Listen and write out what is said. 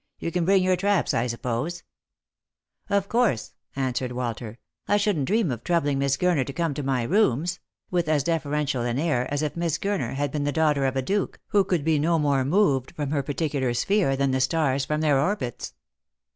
You can bring your traps, I suppose ?" "Of course," answered Walter; "I shouldn't dream of troubling Miss Gurner to come to my rooms ;" with as deferen tial an air as if Miss Gurner had been the daughter of a duke, who could be no more moved from her particular sphere than the stars from their orbits.